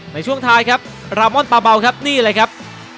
ในช่วงท้ายครับรามอนปลาเบาครับนี่เลยครับ